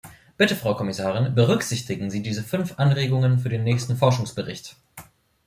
Bitte, Frau Kommissarin, berücksichtigen Sie diese fünf Anregungen für den nächsten Forschungsbericht!